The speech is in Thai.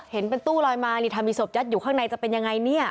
เห็นเป็นตู้ลอยมานี่ถ้ามีศพยัดอยู่ข้างในจะเป็นยังไงเนี่ย